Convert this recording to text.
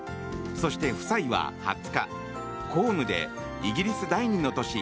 そして夫妻は２０日、公務でイギリス第２の都市